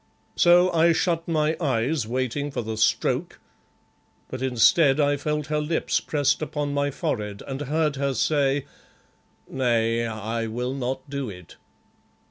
So I shut my eyes waiting for the stroke, but instead I felt her lips pressed upon my forehead, and heard her say "'Nay, I will not do it.